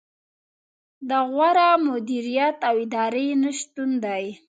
د غوره مدیریت او ادارې نه شتون دی.